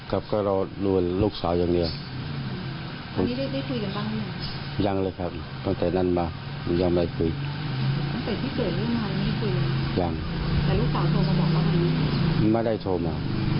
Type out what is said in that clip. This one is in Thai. ถ้าของยกลูกสาวมึงเนื้อกาลี